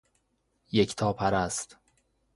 یکتا پرست